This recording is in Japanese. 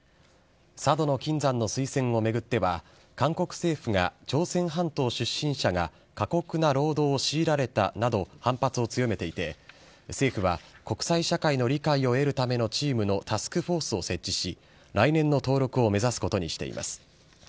佐渡島の金山の推薦を巡っては、韓国政府が朝鮮半島出身者が過酷な労働を強いられたなど、反発を強めていて、政府は、国際社会の理解を得るためのチームのタスクフォースを設置し、来年の登録を目指すことにしています。